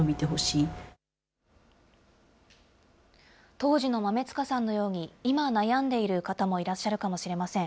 当時の豆塚さんのように、今、悩んでいる方もいらっしゃるかもしれません。